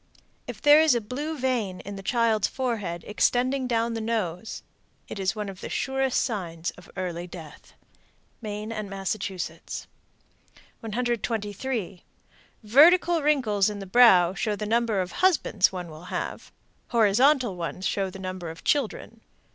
If there is a blue vein in the child's forehead extending down upon the nose, it is one of the surest signs of early death. Maine and Massachusetts. 123. Vertical wrinkles in the brow show the number of husbands one will have. Horizontal ones show the number of children.